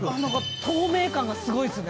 透明感がすごいですね。